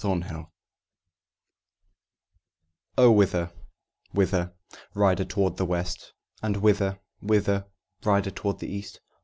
COMRADES "Oh, whither, whither, rider toward the west?" "And whither, whither, rider toward the east?"